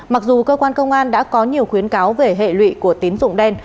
mặc dù cơ quan công an đã có nhiều khuyến cáo về hệ lụy của tín dụng đen